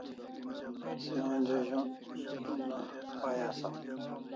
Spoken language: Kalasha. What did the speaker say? Se onja Z'ontr up na pai asaw